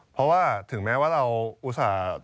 เพราะว่าถึงแม้ว่าเราอุตส่าห์